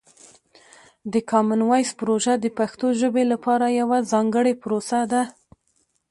د کامن وایس پروژه د پښتو ژبې لپاره یوه ځانګړې پروسه ده.